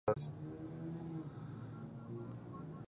ښه ده، چې بدلېږي خو کعبه د ناز